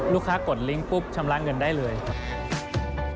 กดลิงค์ปุ๊บชำระเงินได้เลยครับ